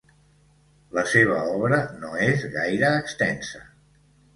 La seva obra no és gaire extensa.